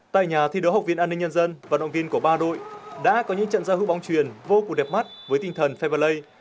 tại nhà thi đấu học viên an ninh nhân dân vận động viên của ba đội đã có những trận giao hữu bóng truyền vô cùng đẹp mắt với tinh thần favalley